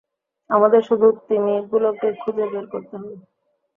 আমাদের শুধু তিমিগুলোকে খুঁজে বের করতে হবে!